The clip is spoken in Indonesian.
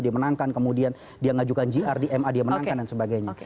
dia menangkan kemudian dia mengajukan gr di ma dia menangkan dan sebagainya